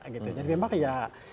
jadi memang ya